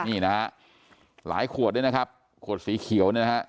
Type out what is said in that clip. นี่นะฮะหลายขวดด้วยนะครับขวดสีเขียวเนี่ยนะฮะ